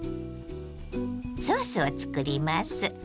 ソースを作ります。